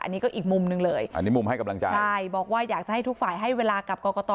อันนี้ก็อีกมุมหนึ่งเลยอันนี้มุมให้กำลังใจใช่บอกว่าอยากจะให้ทุกฝ่ายให้เวลากับกรกต